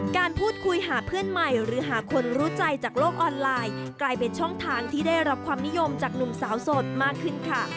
การพูดคุยหาเพื่อนใหม่หรือหาคนรู้ใจจากโลกออนไลน์กลายเป็นช่องทางที่ได้รับความนิยมจากหนุ่มสาวโสดมากขึ้นค่ะ